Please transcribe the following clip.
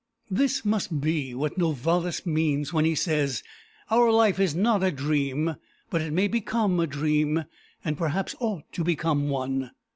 This must be what Novalis means when he says: "Our life is not a dream; but it may become a dream, and perhaps ought to become one."